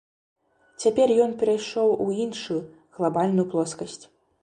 Цяпер ён перайшоў у іншую, глабальную плоскасць.